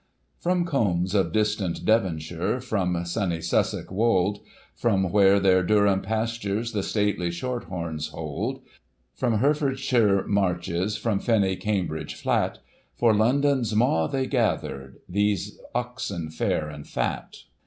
From combs of distant Devonshire, from sunny Sussex wold. From where their Durham pastures the stately short horns hold ; From Herefordshire marches, from fenny Cambridge flat, For London's jnaw they gather — those oxen fair and fat.